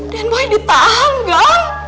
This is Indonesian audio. den boy ditahan gan